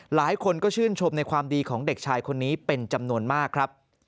หลายคนก็ชื่นชมในความดีของเด็กชายคนนี้เป็นจำนวนมากครับ